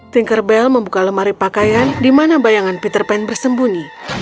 thinker bell membuka lemari pakaian di mana bayangan peter pan bersembunyi